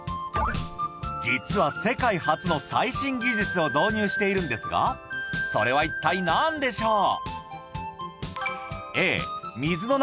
実は世界初の最新技術を導入しているんですがそれは一体何でしょう？